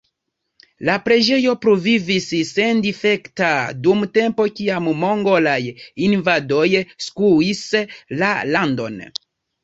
La preĝejo pluvivis sendifekta dum tempo kiam mongolaj invadoj skuis la landon.